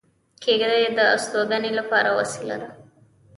کېږدۍ د استوګنې لپاره وسیله ده